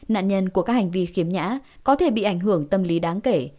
nạn nhân của các hành vi khiếm nhã có thể bị ảnh hưởng tâm lý đáng kể